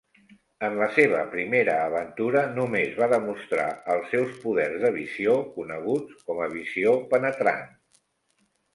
En la seva primera aventura només va demostrar els seus poders de visió, coneguts com a "visió-penetrant".